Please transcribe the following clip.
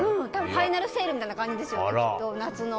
ファイナルセールみたいな感じですよね、夏の。